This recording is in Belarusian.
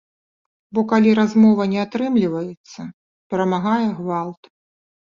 Бо калі размова не атрымліваецца, перамагае гвалт.